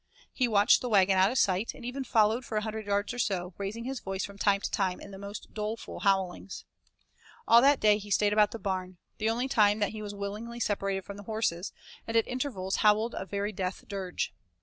He watched the wagon out of sight, and even followed for a hundred yards or so, raising his voice from time to time in the most doleful howlings. All that day he stayed about the barn, the only time that he was willingly separated from the horses, and at intervals howled a very death dirge.